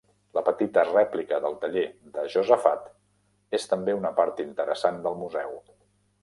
La petita rèplica del taller de Josafat és també una part interessant del museu.